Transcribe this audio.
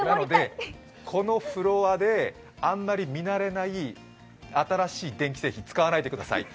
このフロアであんまり見慣れない新しい電気製品、使わないでください。